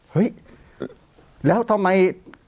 เฮ้ยแล้วทำไม